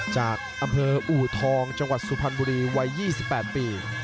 จากอำเภออูทองจังหวัดสุพรรณบุรีวัย๒๘ปี